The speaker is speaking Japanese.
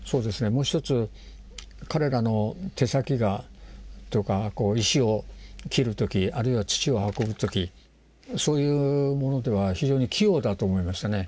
もう一つ彼らの手先が石を切る時あるいは土を運ぶ時そういうものでは非常に器用だと思いましたね。